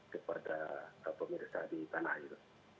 kepada pemirsa di tanah air